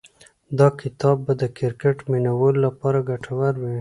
دا کتاب به د کرکټ مینه والو لپاره ګټور وي.